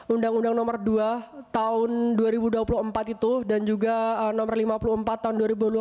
undang undang nomor dua tahun dua ribu dua puluh empat itu dan juga nomor lima puluh empat tahun dua ribu dua puluh